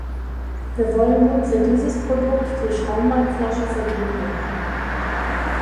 Wir wollen nun für dieses Produkt die Schaumweinflasche verbieten.